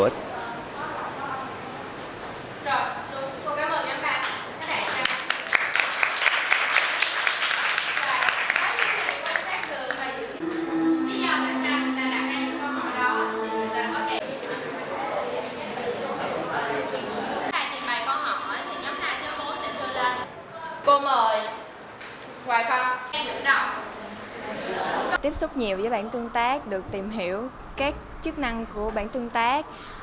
tiếp xúc nhiều với bản tương tác được tìm hiểu các chức năng của bản tương tác